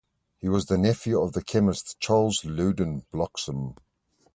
He was nephew of the chemist Charles Loudon Bloxam.